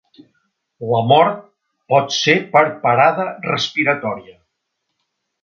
La mort pot ser per parada respiratòria.